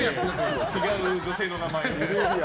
違う女性の名前を。